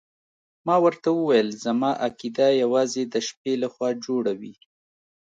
ما ورته وویل زما عقیده یوازې د شپې لخوا جوړه وي.